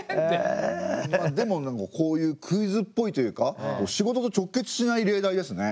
でもこういうクイズっぽいというか仕事と直結しない例題ですね。